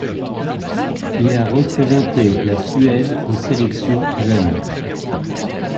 Il a représenté la Suède en sélection jeune.